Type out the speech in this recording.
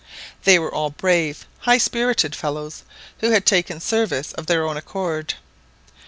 They were all brave, high spirited fellows, who had taken service of their own accord.